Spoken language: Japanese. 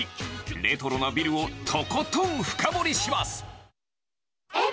レトロなビルをとことん深掘りします。